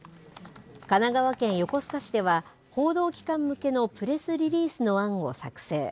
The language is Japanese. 神奈川県横須賀市では、報道機関向けのプレスリリースの案を作成。